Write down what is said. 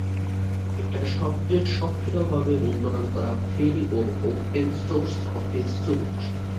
এটা সবচেয়ে সক্রিয়ভাবে উন্নয়ন করা ফ্রি ও ওপেন সোর্স অফিস স্যুট।